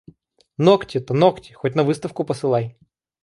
Ногти-то, ногти, хоть на выставку посылай!